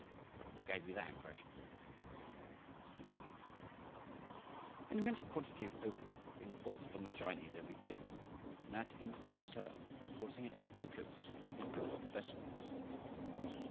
"What gave you that impression?" Mr. Inglis. "An immense quantity of opium being forced upon the Chinese every year, and that in its turn forcing it up the coast in our vessels."